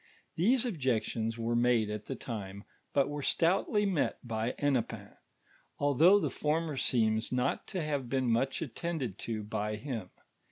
These objections were nmde at the time, but were stoutly met by Hennepin, al thougli the former seems not to have been much attended to by him.